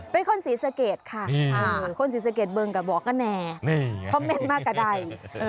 เป็นคนสีสเกตค่ะคนสีสเกตเบิงกะบอกก็แนคอมเมนทมากกว่าใด